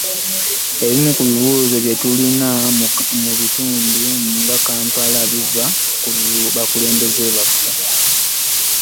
“Ebimu ku bizibu bye tulina mu bitundu nga Kampala biva ku bakulembeze baffe".